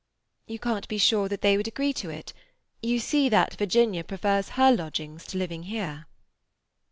"You can't be sure that they would agree to it. You see that Virginia prefers her lodgings to living here."